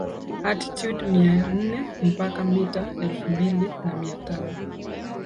altitude mia nne mpaka meta elfu mbili na mia tano